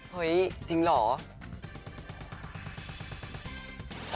เฮ้ยจริงเหรอ